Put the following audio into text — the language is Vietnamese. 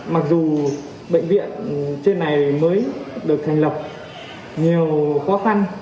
mặc dù bệnh viện trên này mới được thành lập nhiều khó khăn